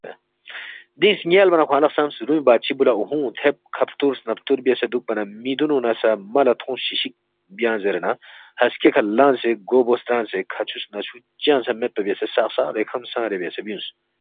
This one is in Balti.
دینگ سن٘یالبا نہ کھوانگ لہ خسمس، رُومی بادشی بُو لہ، اُوہُوں، تھیب کھب ہلتُور، سنب ہلتُور بیاسے دُوکپا نہ می دُونُو نہ سہ ملا تھونگ شِشِک بیانگ زیرے نہ ہسکے کھہ لنگسے گو بو سترانگسے، کھاچھُو، سناچھُو چنگ سہ میدپا بیاسے سق سق رے، کھم سنگ رے بیاسے بیُونگس